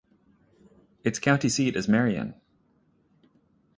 Its county seat is Marion.